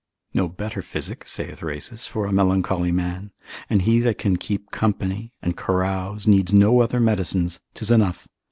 No better physic (saith Rhasis) for a melancholy man: and he that can keep company, and carouse, needs no other medicines, 'tis enough.